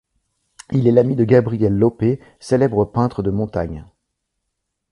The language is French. Il était l'ami de Gabriel Loppe, célèbre peintre de montagne.